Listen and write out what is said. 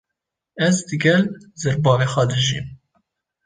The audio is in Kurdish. Ez digel zirbavê xwe dijîm.